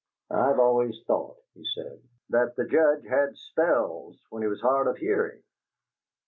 "I've always thought," he said, "that the Judge had spells when he was hard of hearing."